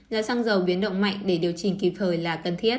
giá xăng dầu biến động mạnh để điều chỉnh kịp thời là cần thiết